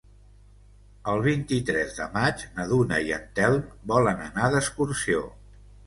El vint-i-tres de maig na Duna i en Telm volen anar d'excursió.